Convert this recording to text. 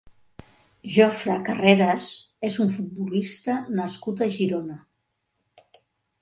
Jofre Carreras és un futbolista nascut a Girona.